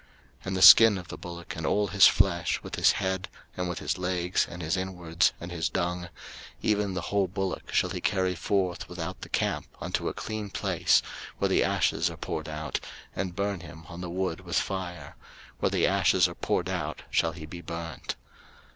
03:004:011 And the skin of the bullock, and all his flesh, with his head, and with his legs, and his inwards, and his dung, 03:004:012 Even the whole bullock shall he carry forth without the camp unto a clean place, where the ashes are poured out, and burn him on the wood with fire: where the ashes are poured out shall he be burnt.